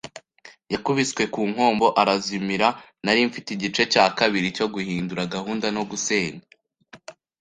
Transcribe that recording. yakubiswe ku nkombe arazimira. Nari mfite igice cya kabiri cyo guhindura gahunda no gusenya